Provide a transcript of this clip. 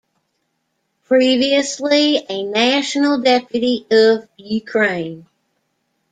Previously a national deputy of Ukraine.